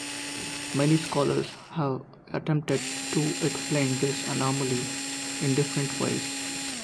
Many scholars have attempted to explain this anamoly in different ways.